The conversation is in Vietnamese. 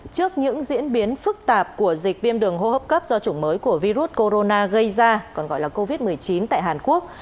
trước những diễn biến phức tạp của dịch viêm đường hô hấp cấp do chủng mới của virus corona gây ra còn gọi là covid một mươi chín tại hàn quốc